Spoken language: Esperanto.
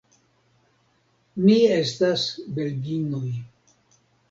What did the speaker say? Mi estas belginoj.